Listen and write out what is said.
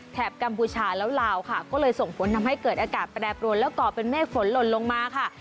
กัมพูชาแล้วลาวค่ะก็เลยส่งผลทำให้เกิดอากาศแปรปรวนแล้วก่อเป็นเมฆฝนหล่นลงมาค่ะ